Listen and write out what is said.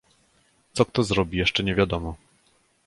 "Co kto zrobi, jeszcze nie wiadomo."